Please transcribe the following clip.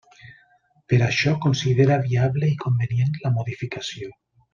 Per això considera viable i convenient la modificació.